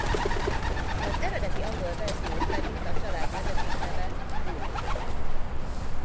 Az eredeti angol verzió szerint a család vezetékneve Gumi.